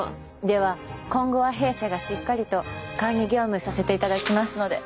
では今後は弊社がしっかりと管理業務させていただきますので。